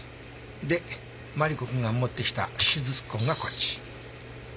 でマリコ君が持ってきた手術痕がこっち。